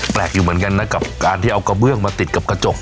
อยู่เหมือนกันนะกับการที่เอากระเบื้องมาติดกับกระจก